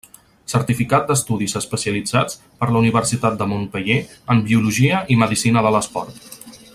Certificat d'Estudis Especialitzats per la Universitat de Montpeller en Biologia i Medicina de l'Esport.